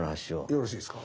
よろしいですか？